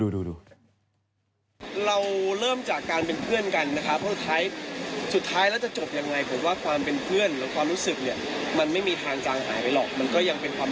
อยากรักกันดีมันยืนยันต์